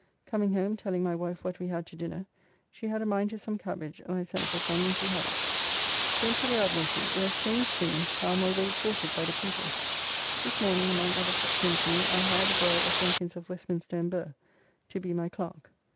Coming home telling my wife what we had to dinner, she had a mind to some cabbage, and I sent for some and she had it. Went to the Admiralty, where a strange thing how I am already courted by the people. This morning among others that came to me I hired a boy of Jenkins of Westminster and Burr to be my clerk.